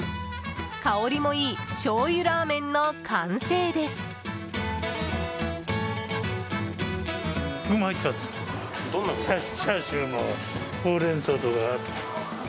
香りもいいしょうゆラーメンの完成です。